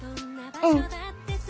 うん。